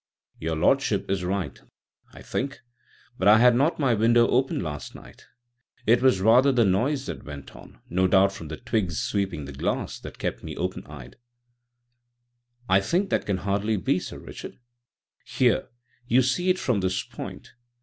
"Your lordship is right there, I think. But I had not my window open last night. It was rather the noise that went on â€" no doubt from the twigs sweeping the glass â€" that kept me open eyed." "I think that can hardly be, Sir Richard. Here you see it from this point.